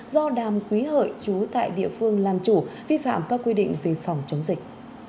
do đàm quý hợi chú tại địa phương làm chủ vi phạm các quy định về phòng chống dịch